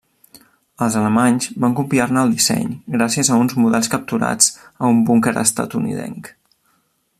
Els alemanys van copiar-ne el disseny gràcies a uns models capturats a un búnquer estatunidenc.